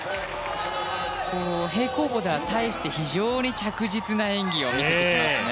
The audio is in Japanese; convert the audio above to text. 平行棒では非常に着実な演技を見せてきますね。